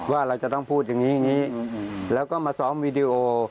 ว่าเราจะต้องพูดอย่างนี้อย่างนี้แล้วก็มาซ้อมวีดีโอ